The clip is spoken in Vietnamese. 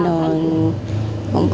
cũng không có